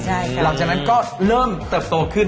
หลังจากนั้นก็เริ่มเติบโตขึ้น